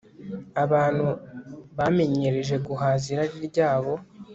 Abantu bamenyereje guhaza irari ryabo